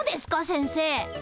先生。